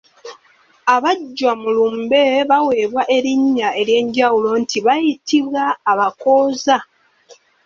Abajjwa mu lumbe baweebwa erinnya ery’enjawulo anti bayitibwa abakooza.